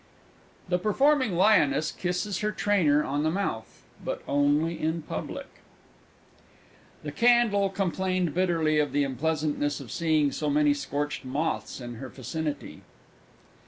The Performing Lioness kisses her Trainer on the mouth but only in public. The Candle complained bitterly of the unpleasantness of seeing so many scorched moths in her vicinity.